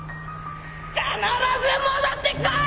必ず戻ってこい！